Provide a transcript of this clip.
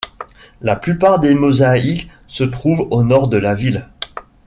La plupart des mosaïques se trouvent au nord de la ville.